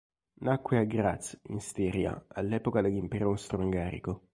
Nacque a Graz, in Stiria, all'epoca dell'Impero austro-ungarico.